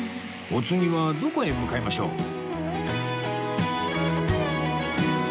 お次はどこへ向かいましょう？